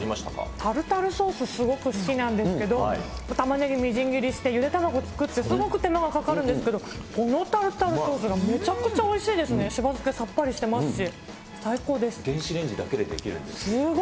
タルタルソース、すごく好きなんですけれども、たまねぎみじん切りしてゆで卵作って、すごく手間がかかるんですけれども、このタルタルソースがめちゃくちゃおいしいですね、しば漬けさっ電子レンジだけで出来るんですごい。